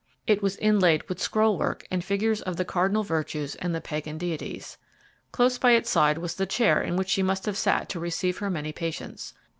It was inlaid with scroll work and figures of the cardinal virtues and the pagan deities. Close by its side was the chair in which she must have sat to receive her many patients.